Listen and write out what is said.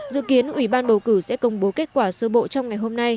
dự kiến ủy ban bầu cử sẽ công bố kết quả sơ bộ trong ngày hôm nay